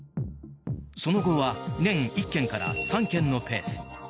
その後は年１件から３件のペース。